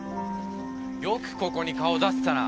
よくここに顔出せたな。